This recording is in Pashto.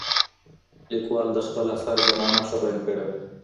لیکوال د خپل اثر زمانه ښه بیان کړې وه.